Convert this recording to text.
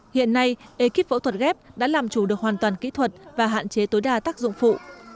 hiện nay ekip phẫu thuật ghép đã làm chủ được hoàn toàn kỹ thuật và hạn chế tối đa tác dụng phụ